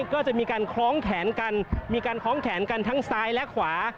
ก็จะมีการคล้องแขนกันมีการคล้องแขนกันทั้งซ้ายและขวา